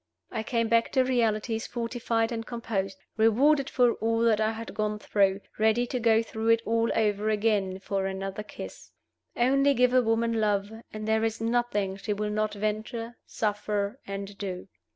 I came back to realities fortified and composed, rewarded for all that I had gone through, ready to go through it all over again for another kiss. Only give a woman love, and there is nothing she will not venture, suffer, and do.